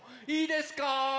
いいですか？